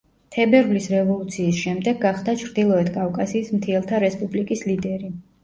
თებერვლის რევოლუციის შემდეგ გახდა ჩრდილოეთ კავკასიის მთიელთა რესპუბლიკის ლიდერი.